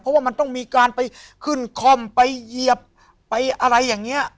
เพราะว่ามันต้องมีการไปขึ้นค่อมไปเหยียบไปอะไรอย่างนี้